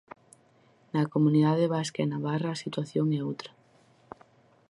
Na comunidade vasca e navarra a situación é outra.